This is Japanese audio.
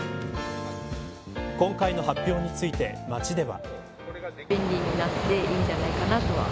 今回の発表について街では。